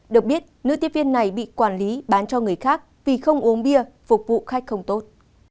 được biết nữ tiếp viên này bị quản lý bán cho người khác vì không uống bia phục vụ khách không tốt